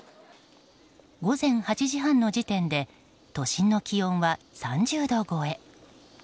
午前８時半の時点で都心の気温は３０度超え。